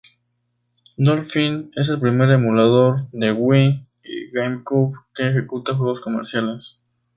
Dolphin es el primer emulador de Wii y GameCube que ejecuta juegos comerciales.